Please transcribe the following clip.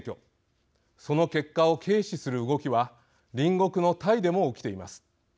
その結果を軽視する動きは隣国のタイでも起きています。